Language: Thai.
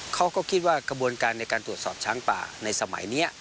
เขาก็คิดว่ากระบวนการในการตรวจสอบช้างป่าในสมัยนี้